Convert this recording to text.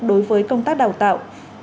đối với công tác đào tạo